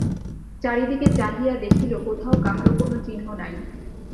চারি দিকে চাহিয়া দেখিল কোথাও কাহারো কোনো চিহ্ন নাই।